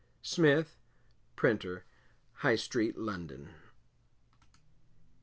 [Smith, Printer, High Street, London.